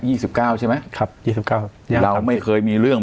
สิบเก้าใช่ไหมครับยี่สิบเก้าครับเราไม่เคยมีเรื่อง